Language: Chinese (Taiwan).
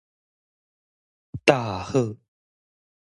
大賀